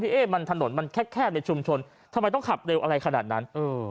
เอ๊ะมันถนนมันแคบในชุมชนทำไมต้องขับเร็วอะไรขนาดนั้น